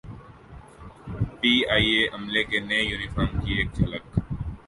P I A عملے کے نئے یونیفارم کی ایک جھلک